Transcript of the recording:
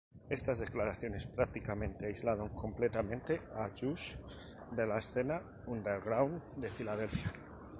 Estas declaraciones prácticamente aislaron completamente a Jus de la escena underground de Filadelfia.